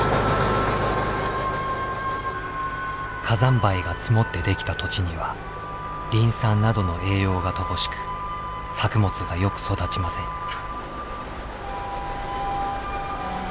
火山灰が積もって出来た土地にはリン酸などの栄養が乏しく作物がよく育ちません。